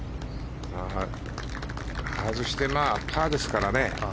外してもパーですからね。